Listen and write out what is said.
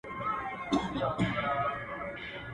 وده چي نن اوښکي درته توی کړمه